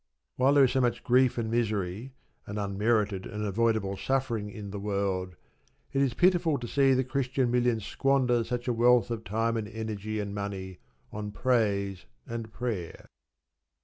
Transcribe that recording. While there is so much grief and misery and unmerited and avoidable suffering in the world, it is pitiful to see the Christian millions squander such a wealth of time and energy and money on praise and prayer.